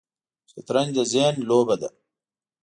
شطرنج د ذهن لوبه ده